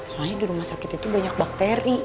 soalnya di rumah sakit itu banyak bakteri